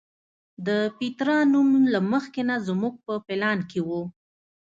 د پیترا نوم له مخکې نه زموږ په پلان کې و.